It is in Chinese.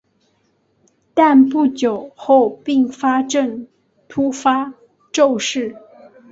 但不久后并发症突发骤逝。